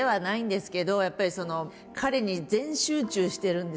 やっぱり彼に全集中してるんですよ。